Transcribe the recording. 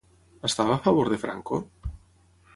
Estava a favor de Franco?